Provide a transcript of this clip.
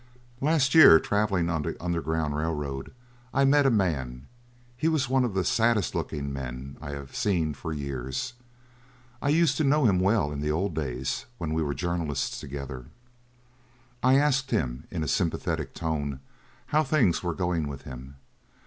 LAST year, travelling on the Underground Railway, I met a man; he was one of the saddest looking men I had seen for years. I used to know him well in the old days when we were journalists together. I asked him, in a sympathetic tone, how things were going with him.